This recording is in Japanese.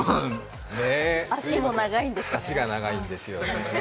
脚が長いんですよね。